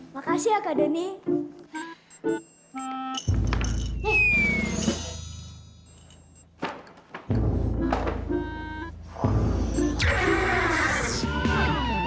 makasih ya kak denny